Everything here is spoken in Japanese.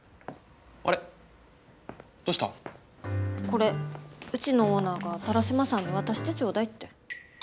これうちのオーナーが田良島さんに渡してちょうだいって。